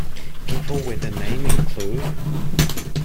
People with the name include